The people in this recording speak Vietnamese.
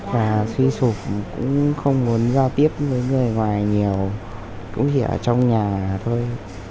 và suy sụp cũng không muốn giao tiếp với người ngoài nhiều cũng chỉ ở trong nhà thôi